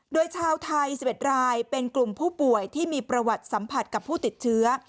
โดยชาวไทย๑๑รายเป็นกลุ่มผู้ป่วยที่มีประวัติสัมผัสกับผู้ติดเชื้อ